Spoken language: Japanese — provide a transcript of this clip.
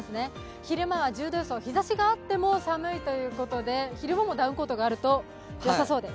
昼間は１０度予想、日ざしがあっても寒い、昼間もダウンコートがあるとよさそうです。